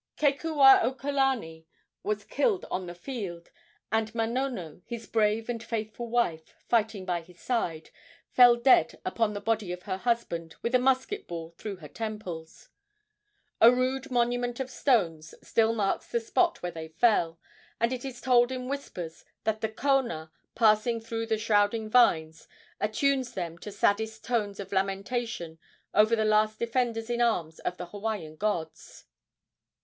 Kekuaokalani was killed on the field, and Manono, his brave and faithful wife, fighting by his side, fell dead upon the body of her husband with a musket ball through her temples. A rude monument of stones still marks the spot where they fell; and it is told in whispers that the kona, passing through the shrouding vines, attunes them to saddest tones of lamentation over the last defenders in arms of the Hawaiian gods.